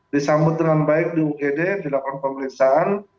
disambut dengan baik di ugd dilakukan pemeriksaan